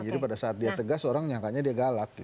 jadi pada saat dia tegas orang nyangkanya dia galak gitu